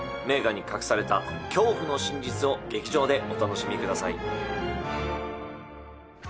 名画に隠された恐怖の真実を劇場でお楽しみください。